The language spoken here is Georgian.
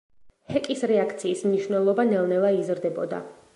ჰეკის რეაქციის მნიშვნელობა ნელ–ნელა იზრდებოდა.